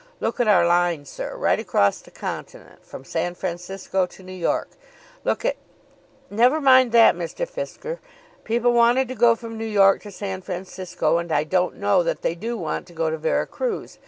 Look at our line, sir, right across the continent, from San Francisco to New York. Look at " "Never mind that, Mr. Fisker. People wanted to go from New York to San Francisco, and I don't know that they do want to go to Vera Cruz.